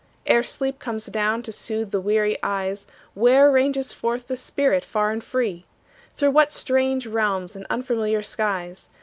Ere sleep comes down to soothe the weary eyes, Where ranges forth the spirit far and free? Through what strange realms and unfamiliar skies.